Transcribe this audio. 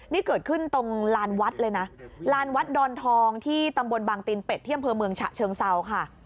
นี่เกิดขึ้นตรงลานวัดเลยนะลานวัดดอนทองที่ตำบลบางตีนเป็ดที่อำเภอเมืองฉะเชิงเซาค่ะ